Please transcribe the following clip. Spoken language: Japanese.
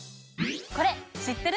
これ知ってる？